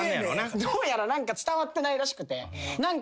どうやら伝わってないらしくて。